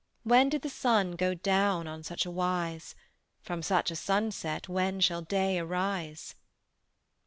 When did the sun go down On such a wise? From such a sunset When shall day arise?